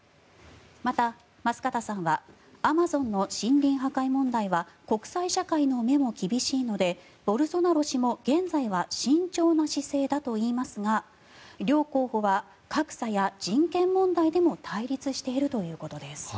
また、舛方さんはアマゾンの森林破壊問題は国際社会の目も厳しいのでボルソナロ氏も現在は慎重な姿勢だといいますが両候補は格差や人権問題でも対立しているということです。